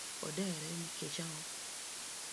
Odere nikech ang’o?